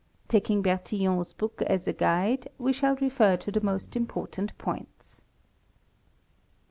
'Taking Bertillon's book as a guide we shall refer to the most important points.